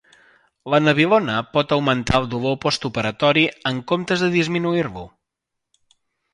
La nabilona pot augmentar el dolor postoperatori en comptes de disminuir-lo.